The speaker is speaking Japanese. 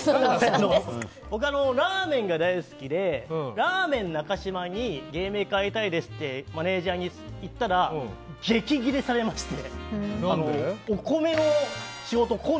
僕はラーメンが大好きでラーメン中嶋に芸名を変えたいですってマネジャーに言ったら激ギレされまして。